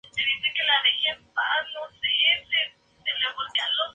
Contiene el doble de almidón que la mayoría de las demás variedades de patata.